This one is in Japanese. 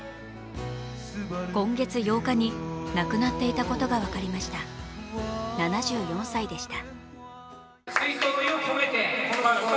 今月８日に、亡くなっていたことが分かりました、７４歳でした。